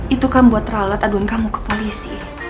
itu kan buat ralat aduan kamu ke polisi